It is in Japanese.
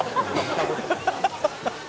「ハハハハ」